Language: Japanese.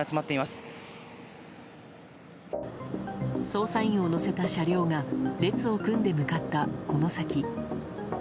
捜査員を乗せた車両が列を組んで向かった、この先。